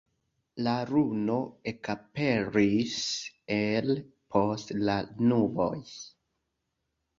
La luno ekaperis el post la nuboj.